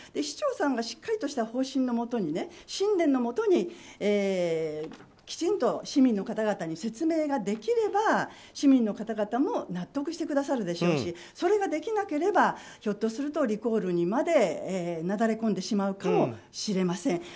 市長さんがしっかりとした方針のもとに信念のもとにきちんと市民の方々に説明ができれば、市民の方々も納得してくださるでしょうしそれができなければひょっとするとリコールにまでなだれ込んでしまうかもしれません。